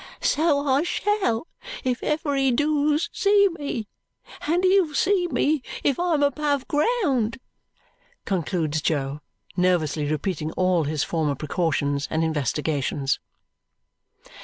So I shall, if ever he doos see me, and he'll see me if I'm above ground," concludes Jo, nervously repeating all his former precautions and investigations.